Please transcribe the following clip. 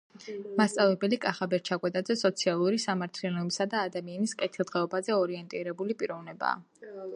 მასწავლებელი კახაბერ ჩაკვეტაძე სოციალური სამართლიანობასა და ადამიანების კეთილდღეობაზე ორიენტირებული პიროვნებაა.